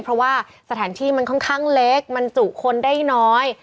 เพราะว่าสถานที่มันค่อนข้างเล็กมันจุคนได้น้อย